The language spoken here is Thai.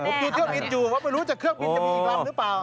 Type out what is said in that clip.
ฮูปยูเที่ยวมีดอยู่ว่าไม่รู้จะเครื่องมีดจะมีอีกรั้งหรือเปล่า